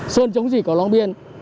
sơn chống dỉ cầu long biên